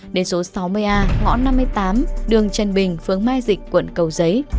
đến số sáu mươi a ngõ năm mươi tám đường trần bình phương mai dịch quận cầu giấy